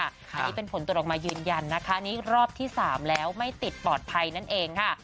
อันนี้เป็นผลตรวจออกมายืนยันนะคะนี่รอบที่๓แล้วไม่ติดปลอดภัยนั่นเองค่ะ